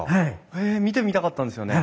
へえ見てみたかったんですよね。